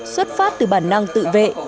xuất phát từ bản năng tự vệ